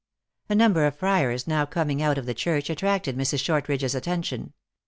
A number of friars now coming out of the church attracted Mrs. Shortridge s attention.